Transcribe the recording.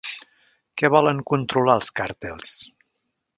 Què volen controlar els càrtels?